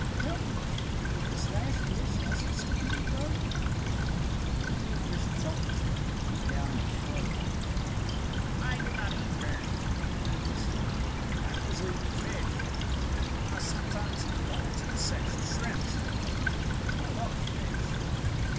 Tell me, did this last fish also stick in your throat?" The kingfisher "chuckled" deep down in his throat. "I do not eat berries," he said. "I usually eat fish. I sometimes eat large insects or shrimps, but I love to fish."